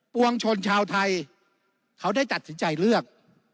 วงชนชาวไทยเขาได้ตัดสินใจเลือก